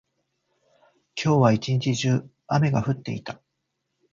今日は一日中、雨が降っていた。